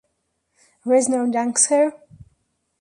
Reznor dunks her.